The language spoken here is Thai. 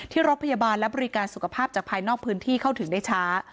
รถพยาบาลและบริการสุขภาพจากภายนอกพื้นที่เข้าถึงได้ช้า